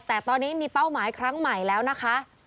แต่ตอนนี้มีเป้าหมายครั้งใหม่แล้วนะคะ